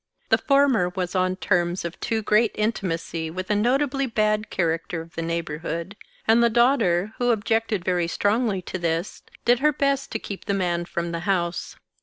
The former was on terms of too great intimacy with a notably bad character of the neighborhood ; and the daughter, who objected very strongly to this, did her best to keep the man from the house.